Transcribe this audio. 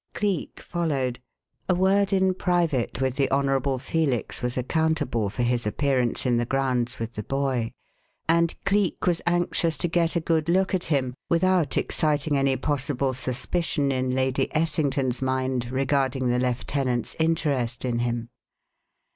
Cleek followed. A word in private with the Honourable Felix was accountable for his appearance in the grounds with the boy, and Cleek was anxious to get a good look at him without exciting any possible suspicion in Lady Essington's mind regarding the "Lieutenant's" interest in him.